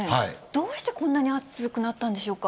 どうしてこんなに暑くなったんでしょうか。